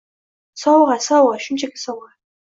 – Sovg‘a! Sovg‘a! Shunchaki sovg‘a!